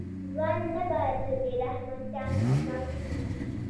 ژوند نه باید د بې رحمه چانس محصول وي.